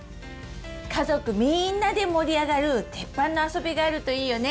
家族みんなで盛り上がるテッパンのあそびがあるといいよね！